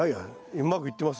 うまくいってます